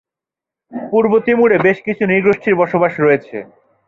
পূর্ব তিমুরে বেশ কিছু নৃগোষ্ঠীর বসবাস রয়েছে।